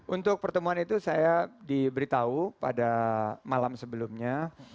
untuk pertemuan itu saya diberitahu pada malam sebelumnya